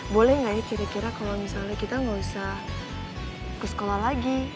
boleh nggak ya kira kira kalau misalnya kita nggak usah ke sekolah lagi